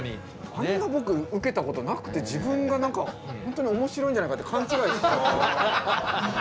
あんな僕ウケたことなくて自分が何かホントに面白いんじゃないかって勘違い。